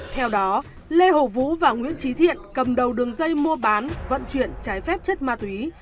theo đó lê hồ vũ và nguyễn trí thiện cầm đầu đường dây mua bán vận chuyển trái phép chất ma túy